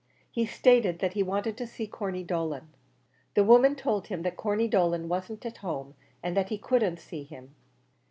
He stated that he wanted to see Corney Dolan. The woman told him that Corney Dolan wasn't at home, and that he couldn't see him.